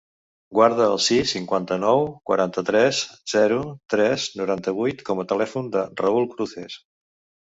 Guarda el sis, cinquanta-nou, quaranta-tres, zero, tres, noranta-vuit com a telèfon del Raül Cruces.